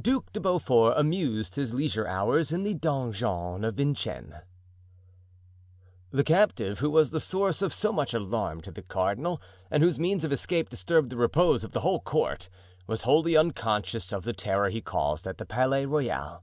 Duc de Beaufort amused his Leisure Hours in the Donjon of Vincennes. The captive who was the source of so much alarm to the cardinal and whose means of escape disturbed the repose of the whole court, was wholly unconscious of the terror he caused at the Palais Royal.